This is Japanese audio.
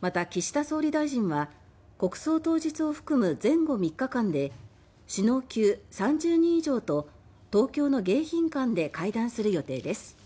また、岸田総理大臣は国葬当日を含む前後３日間で首脳級３０人以上と東京の迎賓館で会談する予定です。